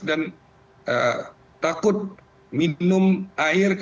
dan takut minum air